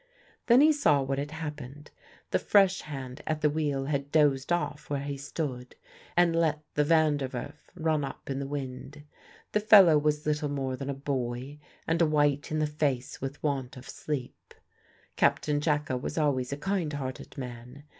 Then he saw what had happened: the fresh hand at the wheel had dozed off where he stood and let the Van der Werf run up in the wind. The fellow was little more than a boy, and white in the face with want of sleep. Captain Jacka was always a kind hearted man.